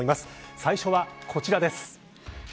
最初は、こちらです。